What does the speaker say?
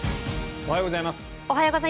おはようございます。